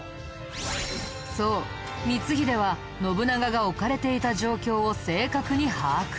そう光秀は信長が置かれていた状況を正確に把握。